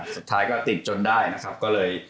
สุดท้ายก็ติดจนได้นะครับก็เลย